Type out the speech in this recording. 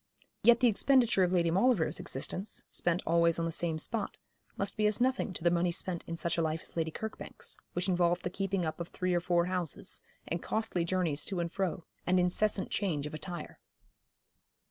Yet the expenditure of Lady Maulevrier's existence, spent always on the same spot, must be as nothing to the money spent in such a life as Lady Kirkbank's, which involved the keeping up of three or four houses, and costly journeys to and fro, and incessant change of attire.